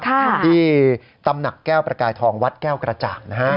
ที่ตำหนักแก้วประกายทองวัดแก้วกระจ่างนะฮะ